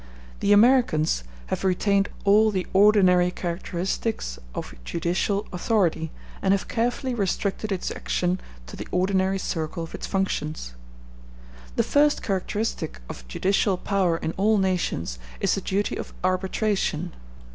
The Americans have retained all the ordinary characteristics of judicial authority, and have carefully restricted its action to the ordinary circle of its functions. The first characteristic of judicial power in all nations is the duty of arbitration.